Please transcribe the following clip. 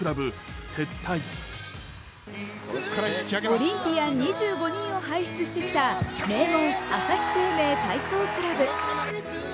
オリンピアン２５人を輩出してきた名門・朝日生命体操クラブ。